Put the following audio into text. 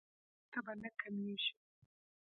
زما تبه نه کمیږي.